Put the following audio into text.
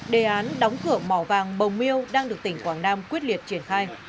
đề án đóng cửa mỏ vàng bồng miêu đang được tỉnh quảng nam quyết liệt triển khai